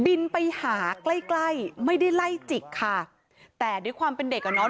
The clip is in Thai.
บินไปหาใกล้ใกล้ไม่ได้ไล่จิกค่ะแต่ด้วยความเป็นเด็กอ่ะเนาะ